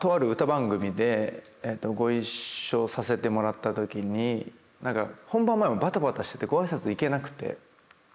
番組でご一緒させてもらったときに何か本番前バタバタしててご挨拶行けなくて。